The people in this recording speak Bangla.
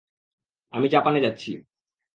আমি জাপানে যাচ্ছি।